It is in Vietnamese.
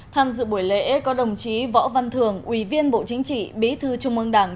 tham dự buổi lễ có đồng chí võ văn thường ủy viên bộ chính trị bí thư trung ương đảng